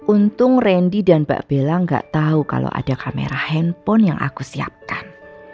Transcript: untung randy dan mbak bella gak tahu kalau ada kamera handphone yang aku siapkan